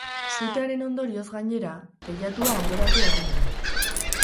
Suteraren ondorioz, gainera, teilatua hondoratu egin da.